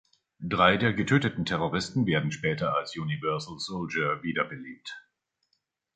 Drei der getöteten Terroristen werden später als Universal Soldier wiederbelebt.